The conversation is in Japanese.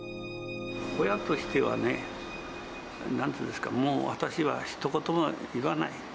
親としてはね、なんと言うんですか、もう私はひと言も言わない。